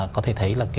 có thể thấy là